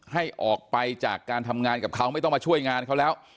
ให้ออกไปจากการทำงานกับเขาไม่ต้องมาช่วยงานเขาแล้ว